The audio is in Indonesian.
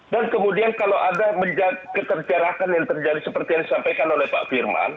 dan kemudian kalau ada kekerjarakan yang terjadi seperti yang disampaikan oleh pak firman